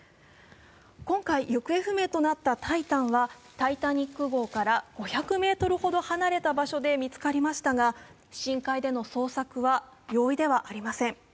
今回、行方不明となった「タイタン」は「タイタニック」号から５００ｍほど離れた場所で見つかりましたが、深海での捜索は容易ではありません。